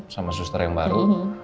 sama suster yang baru